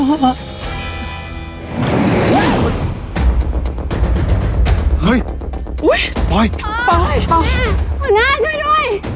เฮ้ยอุ๊ยปอยแม่พ่อหน้าช่วยด้วย